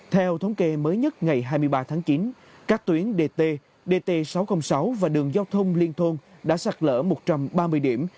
theo thống kê mới nhất ngày hai mươi ba tháng chín các tuyến dt dt sáu trăm linh sáu và đường giao thông liên thôn đã sạt lỡ một trăm ba mươi điểm